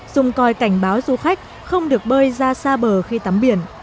dùng coi cảnh báo du khách không được bơi ra xa bờ khi tắm biển